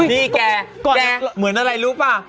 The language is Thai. นี่แกเหมือนอะไรรู้ป่ะ